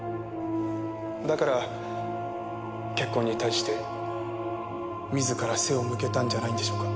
だから結婚に対して自ら背を向けたんじゃないんでしょうか。